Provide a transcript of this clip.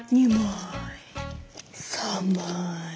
３枚！